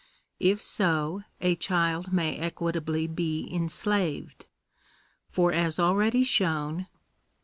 If so, a child may equitably be enslaved. For, as already shown (pp.